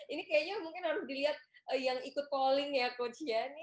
ini kayaknya mungkin harus dilihat yang ikut calling ya coach ya